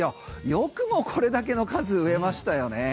よくもこれだけの数植えましたよね。